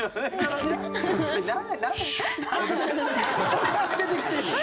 どこから出てきてんねん。